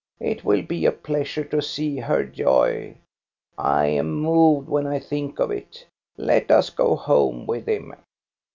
It will be a pleasure to see her Joy. I am moved when I think of it. Let us go home with him